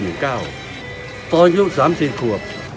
ตอนที่ลูกสาวมีควบ